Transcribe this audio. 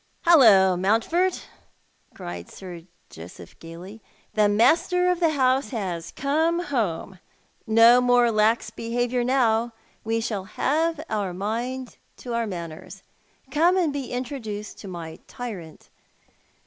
"Hullo, Mount forxl," cried Sir Joseph, gaily; "the master of the house has come home. No more lax behaviour now ! Wo shall have to mind our manners. Come and be introduced to my tyrant."